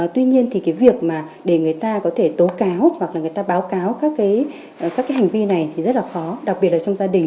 tuy nhiên thì cái việc mà để người ta có thể tố cáo hoặc là người ta báo cáo các cái hành vi này thì rất là khó đặc biệt là trong gia đình